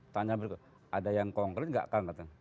tanya berikut ada yang konkrit gak kan